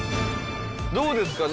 どうですか？